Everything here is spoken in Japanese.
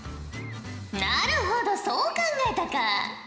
なるほどそう考えたか。